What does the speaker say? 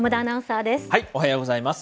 おはようございます。